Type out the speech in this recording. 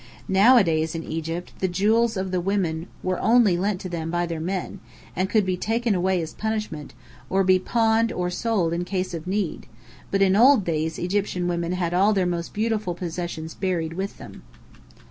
Nowadays, in Egypt, the jewels of the women Were only lent to them by their men, and could be taken away as a punishment, or be pawned or sold in case of need; but in old days Egyptian women had all their most beautiful possessions buried with them.